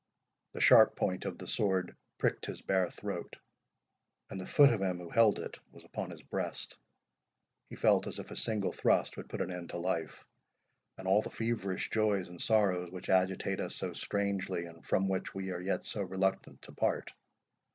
The sharp point of the sword pricked his bare throat, and the foot of him who held it was upon his breast. He felt as if a single thrust would put an end to life, and all the feverish joys and sorrows which agitate us so strangely, and from which we are yet so reluctant to part.